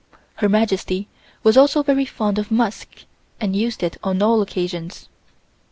Her Majesty was also very fond of musk and used it on all occasions.